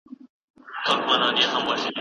هغه پرون له خپل لارښود استاد سره وکتل.